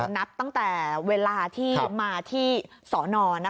นับตั้งแต่เวลาที่มาที่สอนอ